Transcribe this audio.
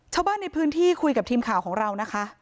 ชาวบ้านในพื้นที่คุยกับทีมข่าวของเรานะคะ